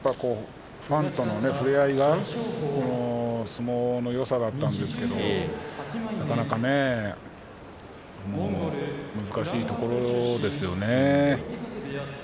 その辺りもファンとのふれあいが相撲のよさだったんですがなかなか難しいところですね。